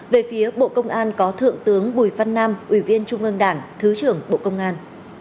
về phía bộ công an có thượng tướng bùi văn nam ủy viên trung ương đảng thứ trưởng bộ công an